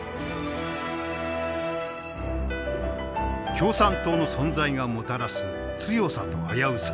共産党の存在がもたらす強さと危うさ。